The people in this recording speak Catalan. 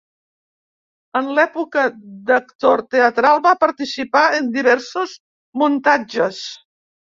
En l'època d'actor teatral, va participar en diversos muntatges.